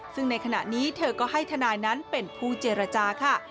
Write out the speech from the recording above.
ซึ่งในขณะนี้เธอก็ให้ทนายนั้นเป็นผู้เจรจาค่ะ